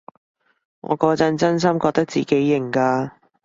我嗰陣真心覺得自己型㗎